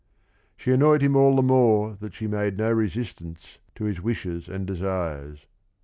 She annoyed him all the more that she made no resistance to his wishes and desires.